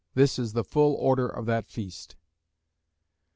This is the full order of that feast.